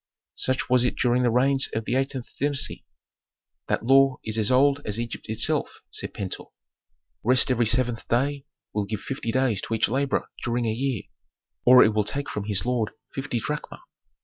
"Such was it during the reigns of the eighteenth dynasty. That law is as old as Egypt itself," said Pentuer. "Rest every seventh day will give fifty days to each laborer during a year, or it will take from his lord fifty drachma.